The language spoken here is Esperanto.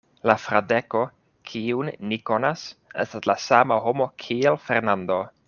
La Fradeko, kiun ni konas, estas la sama homo kiel Fernando.